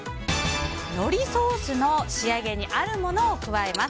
のりソースの仕上げにあるものを加えます。